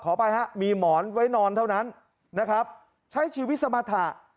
ขอให้มีหมอนไว้นอนเท่านั้นใช้ชีวิตสมรรถะ